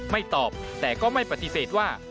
ไม่ตอบแต่ก็ไม่ปฏิเสธว่า